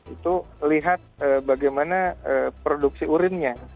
itu lihat bagaimana produksi urinnya